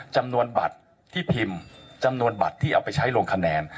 จำนวนบัตรที่พิมพ์จำนวนบัตรที่เอาไปใช้ลงคะแนน